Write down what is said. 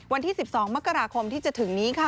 วันที่๑๒มกราคมที่จะถึงนี้ค่ะ